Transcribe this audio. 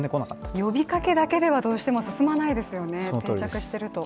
呼びかけだけではどうしても進まないですよね、定着していると。